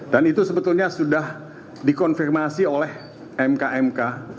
dan itu sebetulnya sudah dikonfirmasi oleh mk mk